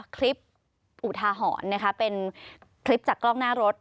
อุทาหรณ์นะคะเป็นคลิปจากกล้องหน้ารถ